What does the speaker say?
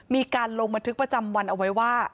มีการลงบันทึกประจำวันเอาไว้ว่า